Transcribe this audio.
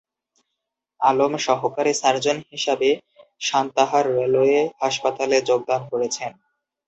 আলম সহকারী সার্জন হিসাবে সান্তাহার রেলওয়ে হাসপাতালে যোগদান করেছেন।